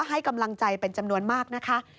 ให้กำลังใจเป็นจำนวนมากนะคะ